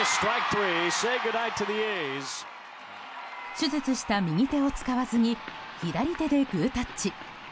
手術した右手を使わずに左手でグータッチ。